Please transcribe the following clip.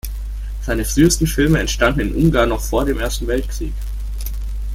Seine frühesten Filme entstanden in Ungarn noch vor dem Ersten Weltkrieg.